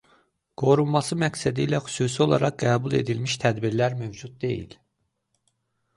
Qorunması məqsədilə xüsusi olaraq qəbul edilmiş tədbirlər mövcud deyil.